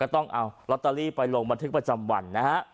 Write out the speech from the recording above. ต้องเอาลอตเตอรี่ไปลงบันทึกประจำวันนะฮะ